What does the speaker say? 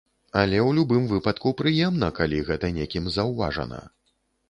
Але ў любым выпадку прыемна, калі гэта некім заўважана.